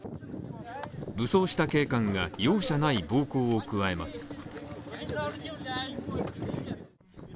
武装した警官が、容赦ない暴行を加えます。